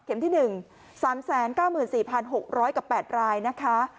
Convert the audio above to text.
เข็มที่หนึ่งสามแสนเก้าหมื่นสี่พันหกร้อยกับแปดรายนะคะ